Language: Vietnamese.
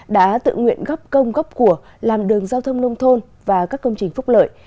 đã tự nguyện góp công góp của làm đường giao thông nông thôn và các công trình phúc lợi